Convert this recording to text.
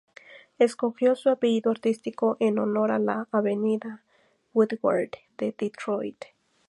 Escogió su apellido artístico en honor a la avenida Woodward de Detroit.